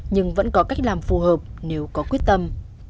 nhưng vẫn có cách làm phù hợp nếu có quyết tâm